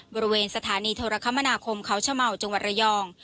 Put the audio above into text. บริเวณสถานีโทรคมนาคมเขาชะเมาจังหวัดระยอง